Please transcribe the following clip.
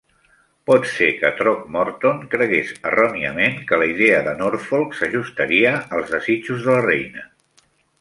Pot ser que Throckmorton cregués erròniament que la idea de Norfolk s'ajustaria als desitjos de la reina.